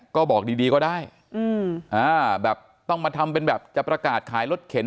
ก็บอกดีดีก็ได้แบบต้องมาทำเป็นแบบจะประกาศขายรถเข็น